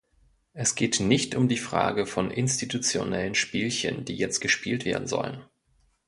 Es geht nicht um die Frage von institutionellen Spielchen, die jetzt gespielt werden sollen.